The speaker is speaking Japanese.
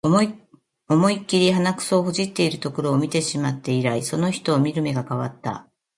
思いっきり鼻くそほじってるところ見てしまって以来、その人を見る目が変わった